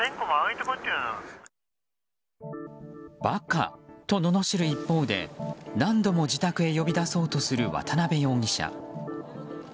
馬鹿とののしる一方で何度も自宅へ呼び出そうとする渡辺容疑者。